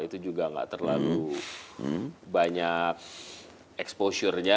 itu juga nggak terlalu banyak exposure nya